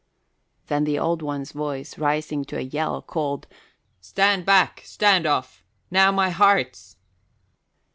Then the Old One's voice, rising to a yell, called, "Stand back! Stand off! Now, my hearts!"